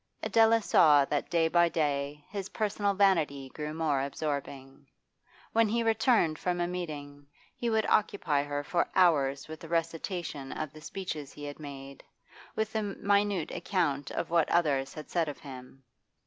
Adela saw that day by day his personal vanity grew more absorbing. When he returned from a meeting he would occupy her for hours with a recitation of the speeches he had made, with a minute account of what others had said of him.